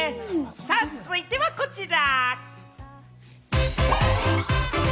続いてはこちら。